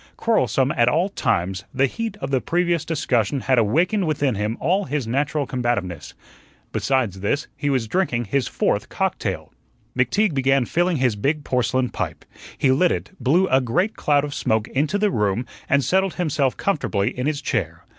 Quarrelsome at all times, the heat of the previous discussion had awakened within him all his natural combativeness. Besides this, he was drinking his fourth cocktail. McTeague began filling his big porcelain pipe. He lit it, blew a great cloud of smoke into the room, and settled himself comfortably in his chair.